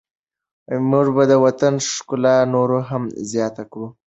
موږ به د وطن ښکلا نوره هم زیاته کړو.